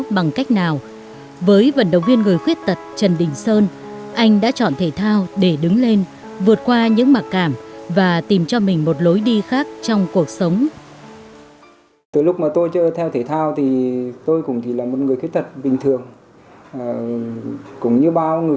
với vận động viên người khuyết tật trần đình sơn anh đã chọn thể thao để đứng lên vượt qua những mặc cảm và tìm cho mình một lối đi khác trong cuộc sống